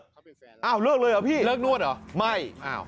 เขาเป็นแฟนแล้วอ้าวเลิกเลยหรอพี่เลิกนวดเหรอไม่อ้าว